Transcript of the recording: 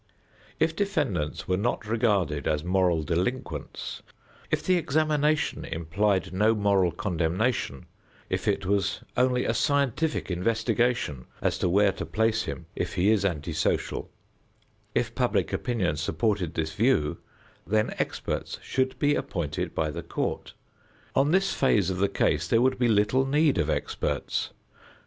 If defendants were not regarded as moral delinquents, if the examination implied no moral condemnation, if it was only a scientific investigation as to where to place him if he is anti social, if public opinion supported this view, then experts should be appointed by the court. On this phase of the case there would be little need of experts.